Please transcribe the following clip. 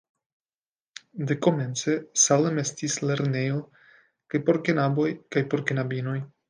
Dekomence Salem estis lernejo kaj por knaboj kaj por knabinoj.